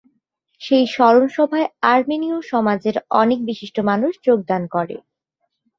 সেই স্মরণসভায় আর্মেনিয় সমাজের অনেক বিশিষ্ট মানুষ যোগদান করে।